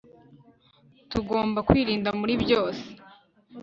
tugomba kwirinda muri byose